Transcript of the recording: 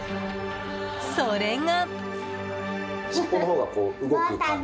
それが。